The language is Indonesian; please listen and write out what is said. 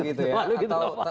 tetap palu gitu ya